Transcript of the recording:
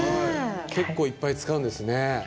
結構、いっぱい使うんですね。